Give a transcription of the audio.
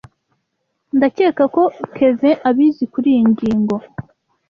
Ndakeka ko Kevin abizi kuriyi ngingo.